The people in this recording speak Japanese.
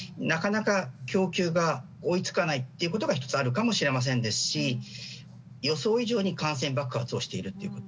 なかなか供給が追いつかないということが１つあるかもしれませんし予想以上に感染爆発をしている。